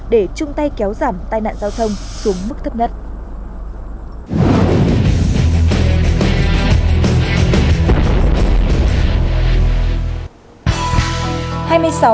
để chung tay kéo giảm tai nạn giao thông xuống mức thấp nhất